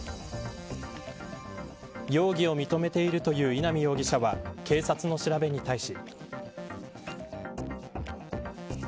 容疑を認めているという稲見容疑者は警察の調べに対し。